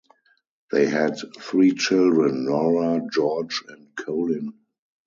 They had three children: Nora, George and Colin.